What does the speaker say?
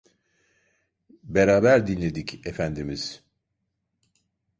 Beraber dinledik Efendimiz.